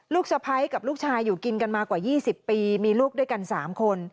สะพ้ายกับลูกชายอยู่กินกันมากว่า๒๐ปีมีลูกด้วยกัน๓คน